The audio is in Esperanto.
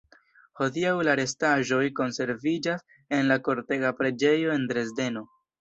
Hodiaŭ la restaĵoj konserviĝas en la Kortega preĝejo en Dresdeno.